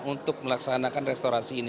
untuk melaksanakan restorasi ini